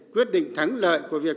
quyết định thắng lợi của việc